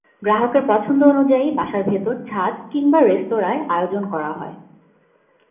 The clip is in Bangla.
গ্রাহকের পছন্দ অনুযায়ী বাসার ভেতর, ছাদ কিংবা রেস্তোরাঁয় আয়োজন করা হয়।